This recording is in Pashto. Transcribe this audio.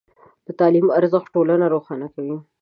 د تعلیم ارزښت ټولنه روښانه کوي.